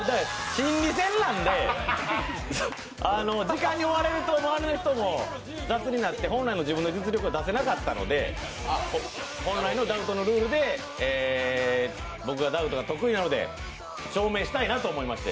心理戦なんで、時間に追われると周りの人も雑になって本来の自分の実力も出せなかったので本来のダウトのルールで僕はダウトが得意なので証明したいなと思いまして。